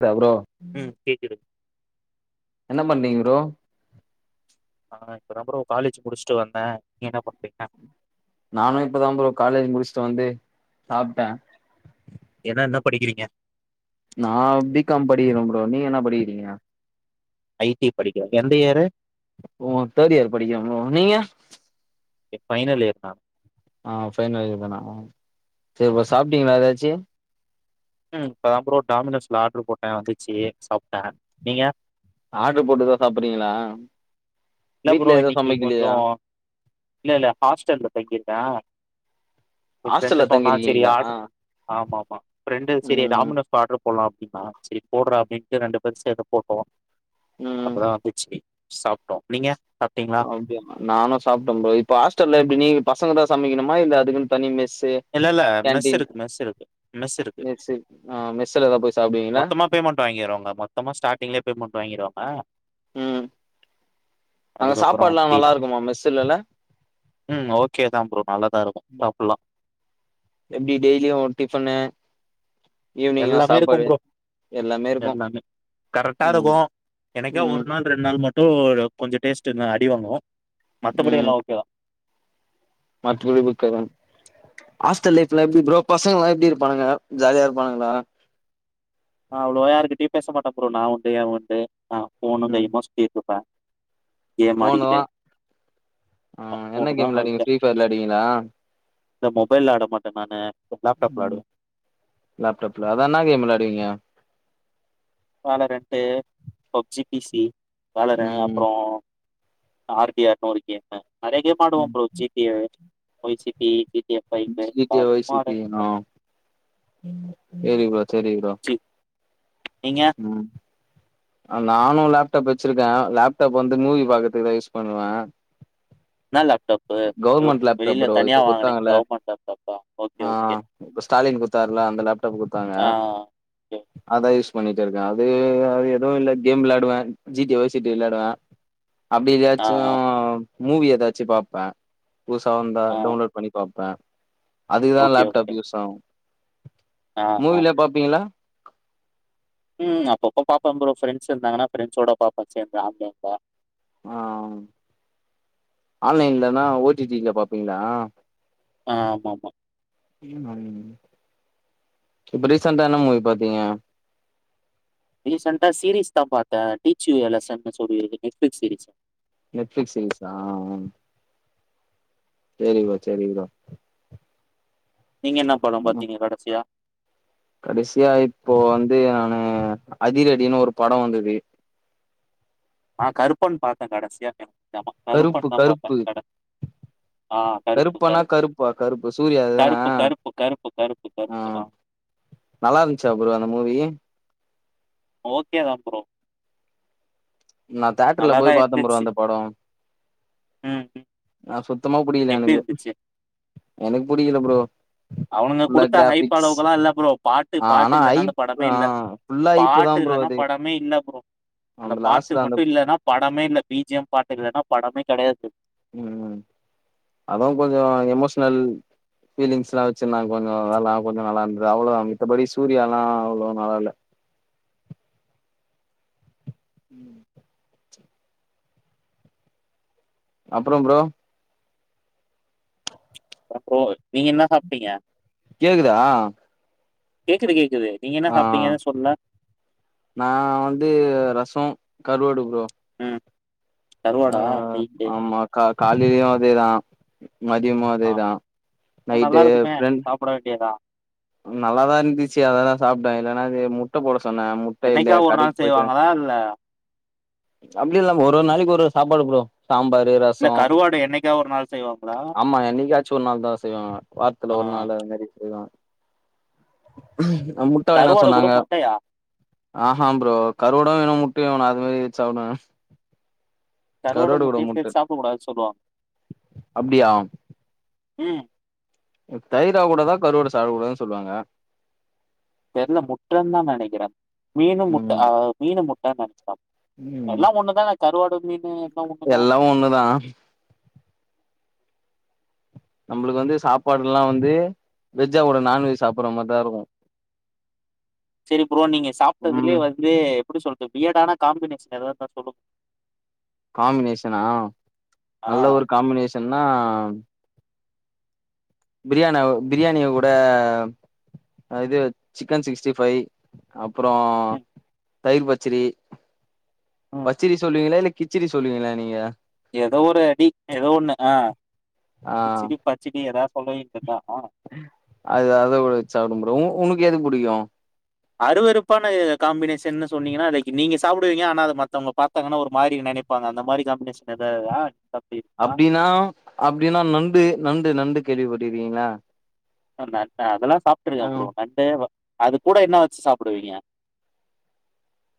[unintelligible] Bro ம் கேக்குது என்ன பண்றிங்க ப்ரோ ஆ இப்பதா ப்ரோ காலேஜ் முடிச்சுட்டு வந்தே நீங்க என்ன பண்றீங்க நானு இப்பதா ப்ரோ காலேஜ் முடிச்சுட்டு வந்து சாப்ட்டே என என்னா படிக்கிறீங்க நா பி காம் படிக்கிறே ப்ரோ நீங்க என்ன படிக்கிறீங்க ஐ டி படிக்கிறே எந்த இயரு ஓ‌ தேட் இயர் படிக்கிறே ப்ரோ நீங்க ஃபைனல் இயர் நா ஆ பைனல் இயர் தானா சரி ப்ரோ சாப்ட்டீங்களா எதாச்சு ம் இப்பதா ப்ரோ டாமினோஸ்ல ஆட்ரு போட்டேன் வந்துச்சு சாப்ட்டேன் நீங்க ஆட்ரு போட்டுதான் சாப்புறீங்களா இல்ல ப்ரோ வீட்ல ஏது இன்னைக்கு சமைக்கலியா கொஞ்சம் இல்ல இல்ல ஹாஸ்டெல்ல தங்கிருக்க எ ஃப்ரெண்டு ஹாஸ்டல்ல சொன்னா சரி தங்கிருக்கீங்களா ஆ ஆமா ஆமா ஃப்ரெண்டு சரி ம் டாமினோஸ் ஆட்ரு போட்லாம் அப்டின்னா சரி போடுறா அப்டின்ட்டு ரெண்டு பேரும் சேந்து போட்டோம் ம் அப்பதான் வந்துச்சி சாப்ட்டோம் நீங்க சாப்ட்டீங்களா அப்டியாமா நானும் சாப்ட்டேன் ப்ரோ இப்ப ஹாஸ்டல்ல எப்டி நீ பசங்க தான் சமைக்கணுமா இல்ல அதுக்குன்னு தனி மெஸ்ஸு இல்ல இல்ல மெஸ் கேன்டீன் இருக்கு மெஸ் இருக்கு. மெஸ் இருக்கு. மெஸ்ஸு ஆ மெஸ்ல தா போய் சாப்புடுவீங்களா மொத்தமா பேமெண்ட் வாங்கிருவாங்க மொத்தமா ஸ்டார்டிங்குலே பேமெண்ட் வாங்கிருவாங்க ம் அங்கே அதுக்கப்புறோ சாப்பாட்லாம் ஃப்ரீ நல்லா தா இருக்குமா மெஸ்ஸுலல ம் ஓகே தா ப்ரோ நல்லாதான் இருக்கும் சாப்புட்லாம் எப்டி டெய்லியு டிஃப்பனு ஈவ்னிங்னா எல்லாமே இருக்கு சாப்பாடு எல்லாமே இருக்கும் கரெட்டா இருக்கும் எனக்கே ஒரு நாள் ரெண்டு நாள் மட்டும் கொஞ்சம் டேஸ்ட் என்ன அடிவாங்கும் மத்தபடி ம் எல்லாம் ஓகே தான் மத்தபடி ஓகே தான் ஹாஸ்டல் லைஃப் எல்லா எப்டி ப்ரோ பசங்கலாம் எப்டி இருப்பாங்க ஜாலியா இருப்பானுங்களா அவ்ளோவா யாருகிட்டயும் பேச மாட்டே ப்ரோ நா உண்டு என் உண்டு ஆ ஃபோனு ம் கையுமா சுத்திட் இருப்பேன் கேம் ஃபோனு ஆடிகிட்டு ஆ என்ன கேம் விளையாடுவீங்க வாழ்க்க ஃப்ரி ஃபையர் விளாடுவீங்களா இந்த மொபைல்ல ஆட மாட்டே நானு லேப்டாப்புல ம் ஆடுவே லேப்டாப்ல அதான்ன கேம் விளாடுவீங்க வேலரன்ட்டு பப்ஜி பிசி வேலர ம் அப்புறம் ஆர் டி ஆர் னு ஒரு கேமு நெறைய கேம் ஆடுவே bro G T A vice city G T A vice city நா சேரி ப்ரோ சேரி ப்ரோ டி நீங்க ம் நானு லேப்டாப் வச்சிருக்க லேப்டாப் வந்து மூவி பாக்றதுக்குதான் யூஸ் பண்ணுவ இன்னா லேப்டாப் கவுர்மெண்ட் லேப்டாப் ப்ரோ இப்ப குத்தாங்க ல கவர்மெண்ட் லேப்டாப்பா ஓகே ஆ ஓகே இப்ப ஸ்டாலின் குத்தாருல அந்த லேப் டாப் குத்தாங்க ஏ அதா யூஸ் பண்ணிட்டு இருக்க அது அது எதுவு இல்ல கேம் விளாடுவ G T Y C D விளாடுவ அப்டி ஆ எதாச்சு ஆ மூவி எதாச்சு பாப்பே புதுசா வந்தா ஆ டவுன்லோட் பண்ணி பாப்பே அதுக்குதா ஓகே ஓகே லேப்டாப் யூஸ் ஆகு ஆ ஆ மூவி லா பாப்பீங்ளா ம் அப்பப்ப பாப்ப ஃப்ரோ ஃப்ரெண்ட்ஸ் இருந்தாங்கனா ஃப்ரெண்ட்ஸோட பாப்ப சேர்ந்து ஆஃப் லைன்ல ஆ ஆன்லைன்லனா ஓ டி டி ல பாப்பீங்ளா ஆமா ஆமா ஆமா இப்ப ரீசன்டா என்ன மூவி பாத்தீங்க ரீசெண்டா சீரிஸ் தா பாத்த டீச் யு எ லெசன் னு சொல்லி நெட்ஃப்ளிக்ஸ் சீரிஸ் நெட்ஃப்ளிக்ஸ் சீரிஸ் தா ஆ சேரி ப்ரோ சேரி ப்ரோ நீங்க என்ன படம் பாத்தீங்க கடசியா கடசியா இப்போ வந்து நானு அதிரடினு ஒரு படம் வந்தது நா கருப்பன் பாத்த கடசியா நெட் கருப்பு கருப்பு ஆ கருப்பு கருப்பனா கருப்பு கருப்பா கருப்பு சூர்யா அதுதான கருப்பு கருப்பு கருப்பு ஆ கருப்புதா நல்லா இருந்ச்சா ப்ரோ அந்த மூவி ஓகேதா ப்ரோ நா தேட்டர்ல போய் நல்லாதான் பாத்த ப்ரோ இருந்துச்சு. அந்த படோ ம், ம். நா சுத்தமா புடிக்கில எப்டி எனக்கு இருந்துச்சு? எனக்கு புடிக்கில ப்ரோ அவனுங்க ஃபுல்லா குடுத்த ஹைப் கிராபிக்ஸ் அளவக்குல்லா இல்ல ப்ரோ பாட்டு ஆ பாட்டு ஆனா இல்லன்னா அந்த ஐப் படமே ஆ இல்ல ஃபுல்லா ஐப்பு தா பாட்டு ப்ரோ இல்லனா அது பட மே இல்ல ப்ரோ அந்த பாட்டு லாஸ்ட்ல அந்த மட்டு இல்லன்னா படமே இல்ல பி ஜி எம் பாட்டு இல்லன்னா படமே கெடையாது ம் அதா கொஞ்சோ எமோஷ்னல் பீலிங்ஸ்ல்லா வெச்சிருந்தா கொஞ்சோ அதெல்லா கொஞ்சோ நல்லா இருந்தது அவ்ளதா மித்தபடி சூர்யாலா அவ்ளவா நல்லால ம் அப்றோ ப்ரோ அப்றோ நீங்க என்ன சாப்ட்டீங்க கேக்குதா கேக்குது கேக்குது நீங்க என்ன ஆ சாப்டிங்கனே சொல்ல நா வந்து ரசோ கருவாடு ப்ரோ ம். ஆ கருவாடா? ரைட்டு. ஆமா கா காலிலயு அதேதா மதியமு ஆ அதேதா நைட்டு ஃப்ரெண்ட் மூட வேண்டியதா நல்லாதா இருந்துச்சி அதெல்லா சாப்ட இல்லன்னா அது முட்ட போட சொன்ன முட் டு இந்த என்னைக்கா ஒரு கடைக்கு நாள் போய்ட்டு செய்வாங்களா? இல்ல அப்டி இல்ல ப்ரோ ஒரு ஒரு நாளைக்கு ஒரு ஒரு சாப்பாடு ப்ரோ சாம்பாரு இல்ல ரசோ கருவாடு என்னைக்கா ஒரு நாள் செய்வாங்ளா ஆமா என்னிக்காச்சு ஒரு நாள்தா செய்வாங்க வாரத்துல ஆ ஒரு நாள் அது மாரி செய்வாங் அ முட்ட வேணா கருவாடு கூட சொன்னாங்க முட்டையா? ஆஹா ப்ரோ கருவாடு வேணு முட்டயு வேணு அது மாரி வெச்சி சாப்டுவே கருவாடு கூட முட்டயு சேத்து முட்ட சாப்ட கூடாது சொல்லுவாங் அப்டியா ம் தயிரா கூட தா கருவாட சாப்ட கூடாதுன் சொல்லுவாங்க தெர்ல முட்டன்தா நனைக்கிறே மீனு முட்ட ம் ஆ மீனு முட்டன் நனைக்கிறே ம் ஒன்னுதான கருவாடு மீனு ஒண்ணுதா எல்லா ஒன்னுதா நம்மளுக்கு வந்து சாப்பாடுலா வந்து வெஜ்ஜாகூட நான்வெஜ் சாப்பட்ற மாரிதா இருக்கு சேரி ப்ரோ நீங்க சாப்டதுலே ம் வந்து எப்டி சொல்றது வியடானா காம்பினேஷன் எதாவ்து இருந்தா சொல்லுங் காம்பினேஷனா ஆ நல்ல ஒரு காம்பினேஷன்னா பிரியாணி பிரியாணி கூட இது சிக்கன் சிக்ஸ்டி ஃபைவ் அப்புறோ ம் தயிர் பச்சிரி ம் பச்சிடி சொல்லுவீங்களா இல்ல கிச்சுடி சொல்லுவீங்களா நீங்க எதோ ஒரு அடி எதோ ஒன்னு ஆ ஆ குச்சுடி பச்சிடி எதா சொல்ல வேண்டியத்தா ஆ அத அத வெச் சாப்டு ப்ரோ உனக்கு எது புடிக்கு அறுவறுப்பான காம்பினேஷனு சொன்னீங்கன்னா அத நீங்க சாப்புடுவீங்க ஆனா அத மத்தவங்க பாத்தாங்கன்னா ஒரு மாரி நெனைப் பாங்க அந்த மாரி காம்பினேஷன் எதா இருக்கா அப்டினா அப்டினா நண்டு நண்டு நண்டு கேள்விப்பட்ருக்கீங்ளா அதெல்லா சாப்பிட்டுருக்க ப்ரோ நண்டு அது கூட என்ன வச்சு சாப்பிடுவீங்க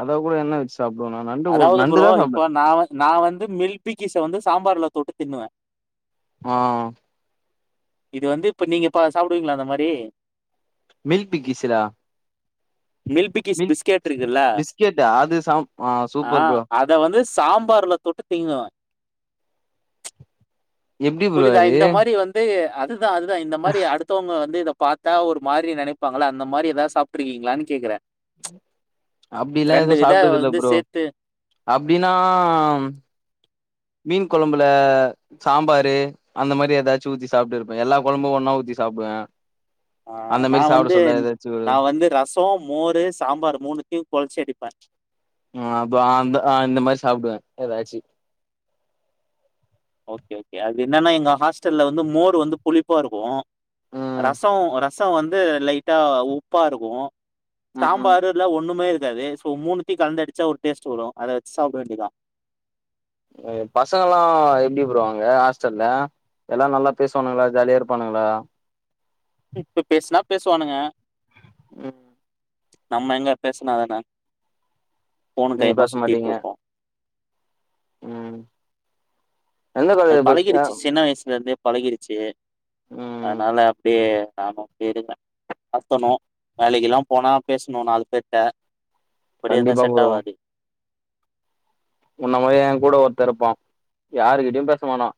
அத கூட என்ன வச்சு சாப்பிடுவேனா நண்டு நண்டு தான் சாப்பிடுவேன் நா வந்து மில்க் பிக்கீஸ வந்து சாம்பார்ல தொட்டு தின்னுவ ஆ இது வந்து இப்ப நீங்க பா சாப்பிடுவீங்களா அந்த மாரி மில்க் பிக்கிஸ்ஸா மில்க் பிக்கீஸ் பிஸ்கெட் இருக்குல்ல கேட்டா அது சம் ஆ அத வந்து சாம்பார்ல தொட்டு தீங்குவன் எப்டி ப்ரோ புரியுதா அது இந்த மாரி வந்து அதுதான் அதுதான் இந்த மாரி அடுத்து மத்தொங்க வந்து இத பாத்தா ஒரு மாரி நனைப்பாங்களா அந்த மாரி எதாவது சாப்ட்டுருக்கீங்களான்னு கேக்குறன் அப்டிலா ரெண்டு எதுவு இத சாப்ட்டது இல்ல வந்து ப்ரோ சேத்து அப்டின்னா மீன் கொழம்புல சாம்பாரு அந்த மாரி ஏதாச்சும் ஊத்தி சாப்ட்டு இருப்பேன் எல்லா கொழம்பும் ஒன்னா ஊத்தி சாப்புடுவன் ஆ நா வந்து ஒரு நா வந்து ரசம் மோரு சாம்பார் மூணுத்தியும் கொழச்சி அடிப்பன் ஆ அப்ப அந்த இந்த மாரி சாப்பிடுவன் ஏதாச்சு ஓகே ஓகே அது என்னன்னா எங்க ஹாஸ்டல்ல வந்து மோர் வந்து புளிப்பா இருக்கும் ரசோம் ரசோ வந்து லைட்டா உப்பா இருக்கும் ம் சாம்பார்ல்ல ஒண்ணுமே இருக்காது சோ மூணுத்தியும் கலந்து அடிச்சா ஒரு டேஸ்ட் வரும் அத வச்சு சாப்பிட வேண்டியதான் பசங்கல்லாம் எப்டி ப்ரோ அங்க ஹாஸ்டல்ல எல்லா நல்லா பேசுவானுங்களா ஜாலியா இருப்பானுங்களா இப்ப பேசுனா பேசுவானுங்க ம் நம்ம எங்க பேசுனாதான ஃபோனு நீங்க கையுமா பேச சுத்திட்டு மாட்டீங்க இருப்போம் ம் எந்த அது காலேஜ் படி அ பழகிடுச்சு சின்ன வயசுல இருந்தே பழகிருச்சு ம் அதனால அப்டியே நானு போயிருவேன் அத்தணு வேலைக்குலா போனா பேசுணு நாலு பேர் ட்ட அப்றோம் எதுவும் கண்டிப்பா செட் ப்ரோ ஆவது உன்ன மாரியே ஏன் கூட ஒருத்தேன் இருப்பான் யாருக்கிட்டயும் பேசமாட்டான்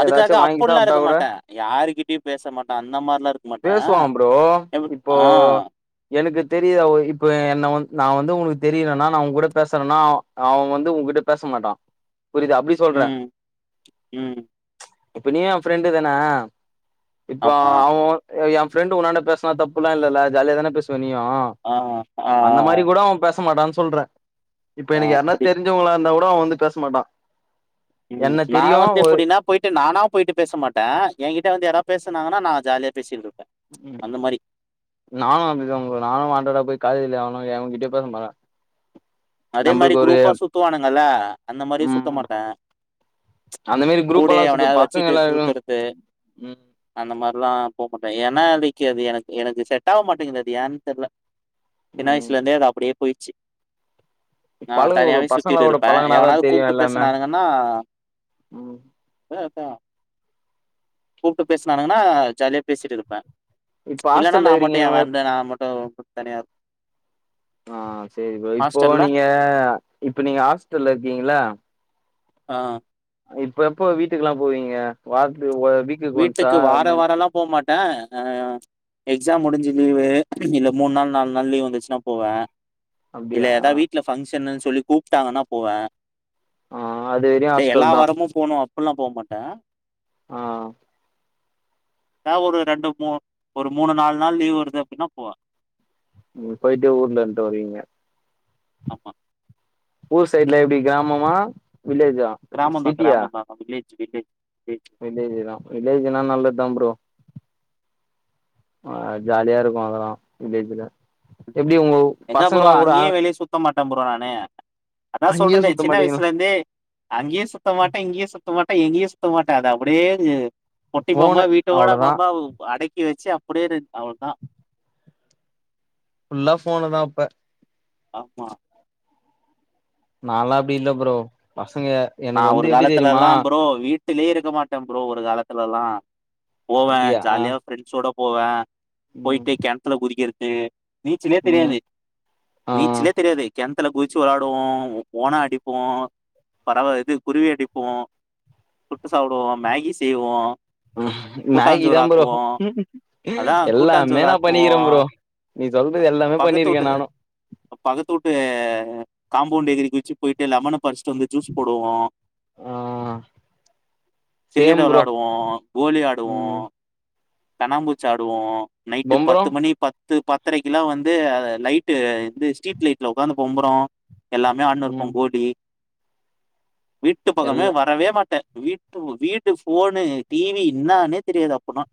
அதுக்காக வாங்கி அப்புலா சாப்ட்டா இருக்க கூட மாட்டன் யாருகிட்டயும் பேச மாட்ட அந்த மாரிலா இருக் பேசுவாம் ப்ரோ இப்போ எனக்கு தெரியுதா இப்ப என்ன வ நான் வந்து உனக்கு தெரியலனா நான் உங்க கூட பேச சுறனா அவன் வந்து உங்கிட்ட பேச மாட்டான் புரியுதா அப்டி சொல்றன் ம் ம் இப்ப நீயும் என் ஃப்ரெண்டு தான இப்போ ஆமா அவன் என் ஃப்ரெண்டு் உன்னாட பேசனா தப்புல்லாம் இல்லல ஜாலியா தான பேசுவ நீயும் ஆ ஆ அந்த ஆ மாரி கூட அவன் பேச மாட்டான்னு சொல்றன் இப்ப ஆ எனக்கு யாரனா அப்படி தெரிஞ்சவங்களா இருந்தா கூட அவன் வந்து பேச மாட்டான் ம் நா வந்து எப்டின்னா போயிட்டு நானா போயிட்டு பேச மாட்டன் யென் கிட்ட வந்து யாரா பேசுனாங்கன்னா நா ஜாலியா பேசிட்ன்டு இருப்பன் ம் நானும் அப்டிதான் ஃப்ரோ நானும் வான்ட்டாடா போய் காலேஜ்ல்ல எவனும் எவன் கிட்டயும் பேச மாட்டன் அதே மாரி க்ரூப்பா சுத்துவானுங்கல்ல அந்த மாரியும் சுத்த ம் மாட்டன் அந்த மாரி குரூப் எல்லா கூடயே சுத்து எவனயாவது பசங்க வச்சுட்டு எல்லா சுத்துறது ம் அந்த மாரில்லாம் போ மாட்டன் ஏன்னா அலைக்கு அது எனக்கு எனக்கு செட் ஆவ மாட்டேங்குது அது ஏன்னு தெரியல சின்ன ம் வயசுல இருந்தே அது அப்டியே போயிடுச்சு நா பழகு ப்ரோ தனியாவே சுத்திட்டு பசங்களோட இருப்பே பழகுனாதா எவனாவது தெரியு கூப்ட்டு எல்லாமே பேசினானுங்கனா ம் [unintelligible] கூப்ட்டு பேசனானுங்கனா ஜாலியா பேசிட்டு இருப்பே இப்ப இல்லேனா ஹாஸ்டல்ல நா மட்டு இருக்கீங்க எ உங்க வேறண்டு நா மட்டு தனியா இருப் ஆ சேரி ப்ரோ இப்போ ஹாஸ்டல்ல நீங்க இப்ப நீங்க ஹாஸ்டல்ல இருக்கீங்கல்ல ஆ இப்ப எப்போ வீட்டுக்கு எல்லா போவீங்க வாரத்துக்கு ஒரு [unintelligible] வீட்டுக்கு வார வார லா போகமாட்டே அ எக்ஸாம் முடிஞ்சு லீவு இல்ல மூணு நாள் நாலு நாள் லீவ் வந்துச்சுன்னா போவே இல்ல அப்டியா ஏதா வீட்ல ஃபங்க்ஷன்னு சொல்லி கூப்டாங்கன்னா போவே ஆ அது வரையு டே எல்லா ஹாஸ்டல் தா வாரமு போனு அப்பில்லா போ மாட்டே ஆ ஏ ஒரு ரெண்டு மூ ஒரு மூணு நாலு நாள் லீவ் வருது அப்டின்னா போவே ம் போயிட்டு ஊர்ல இருன்ட்டு வருவீங்க ஆமா ஊர் சைட்ல எப்டி கிராமமா வில்லேஜா கிராமம் தா சிட்டியா கிராமம் தா வில்லேஜ் வில்லேஜ் வில்லேஜ் தா வில்லேஜ் னா நல்லது தா ப்ரோ அ அது ஜாலியா இருக்கு அதெல்லா வில்லேஜ்ல எப்டி உங்க ஊ எங்க ப்ரோ அங்கேயே வெளிய சுத்த மாட்டே ப்ரோ நானு அதா அங்கேயே சொல்றேனே சுத்த சின்ன மாட்டீங்களா வயசுல இருந்தே அங்கேயு சுத்தமாட்டே இங்கேயு சுத்தமாட்டே எங்கேயு சுத்தமாட்டே அது அப்டியே பொட்டி பாம்பா ஃபோனு வீட்டோட அவ்ளோதா பாம்பா ஒ அடக்கி வச்சு அப்டியே இரு அவளதா ஃபுல்லா ஃபோனு தா அப்ப ஆமா நா லா அப்டி இல்ல ப்ரோ பசங்க நா எனக்கு வந்து ஒரு எப்டி தெரியுமா காலத்துலலா ப்ரோ வீட் ட்டுலயே இருக்க மாட்டே ப்ரோ ஒரு காலத்துல எல்லா போவே அப்டியா ஆ ஜாலியா ஃப்ரெண்ட்ஸோட போவே ம் போயிட்டு கெணத்துல குதிக்கிறது நீச்சலே ம் தெரியாது ஆ நீச்சலே தெரியாது கெண் த்துல குதிச்சு வெளையாடுவோ ஓணா அடிப்போ பறவ இது குருவி அடிப்போ சுட்டு சாப்பிடுவோ மேகி செய்வோ ம் மேகி தா ப்ரோ அதான் எல்லாமே கூட்டாஞ்சோறு நா பண்ணிக்கிறே ஆக்குவோம். ப்ரோ நீ சொல்றது எல்லாமே பக்கத்து பண்ணிருக்கே வீட்டு நானு பக்கத்து வூட்டு காம்பவுண்ட் எகிரி குதிச்சு போயிட்டு லெமன பறிச்சுட்டு வந்து ஜூஸ் போடுவோ ஆ கிரிக்கெட் சேம் ப்ரோ வெளையாடுவோ கோலி ஆடுவோ ம் கண்ணாம்புச்சு ஆடுவோ நைட்டு பம்பரோ பத்து மணி பத்து ப த்தரைக்கில்லா வந்து லைட்டு வந்து ஸ்ட்ரீட் லைட்ல ஒக்காந்து பொம்பறோ எல்லாமே ஆட்ணு இருப்போ ம் போடி வீட்டு பக்கமே எல்லா வரவே மாட்டே வீட்டு வீட்டு ஃபோனு டிவி இன்னானே தெரியாது அப்பனா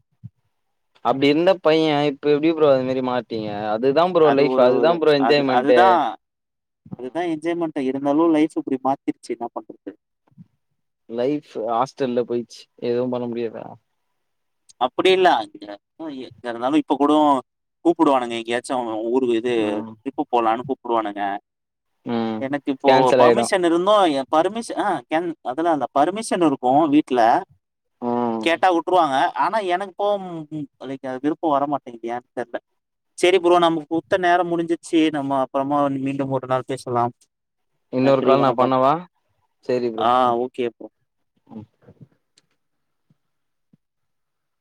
அப்டி இருந்த பைய இப்ப எப்டி ப்ரோ அது மாரி மா டிங்க அதுதா ப்ரோ அது லைஃப் ஒரு அதுதா ப்ரோ என்ஜாய்மெண்ட்டு அதுதா என்ஜாய்மெண்டு இருந்தாலு லைஃப் இப்டி மாத்திருச்சு என்னா பண்றது லைஃப்பு ஹாஸ்டல்ல போயிச்சு எதுவு பண்ண முடியாதா அப்பிடி இல்ல [inaudible] இங்க இருந்தாலு இப்ப கூடோ கூப்பிடுவானுங்க எங்கேயாச்சு ஊரு து ம் டிரிப்பு போலானு கூப்பிடுவானுங்க ம் எனக்கு இப்போ கேன்சல் ஆயிடு பர்மிஷன் இருந்து எ பர்மீஷ ஆ கென் அதலா இல்ல பர்மிஷன் இருக்கு வீட்ல ம் கேட்டா உட்ருவாங்க ஆனா எனக்கு போம் லைக் அது விருப்பம் வரமாட்டிங்கிது ஏன் தெர்ல செரி ப்ரோ நமக்குத்த நேர முடிஞ்சிச்சி நம்ம அப்பறமா மீண்டும் ஒரு நாள் பேசலாம் இன்னொரு நன்றி, கால் நா வணக்கம். பண்ணவா சேரி ப்ரோ ஆ ம் ஓகே ப்ரோ. ம்